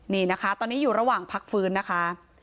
นี่นะคะตอนนี้อยู่ระหว่างพักฟื้นนะคะ